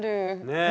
ねえ。